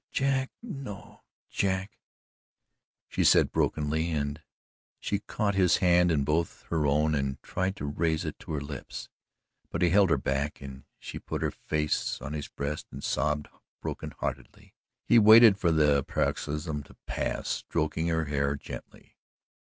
"No no, Jack," she said brokenly, and she caught his hand in both her own and tried to raise it to her lips, but he held her back and she put her face on his breast and sobbed heart brokenly. He waited for the paroxysm to pass, stroking her hair gently.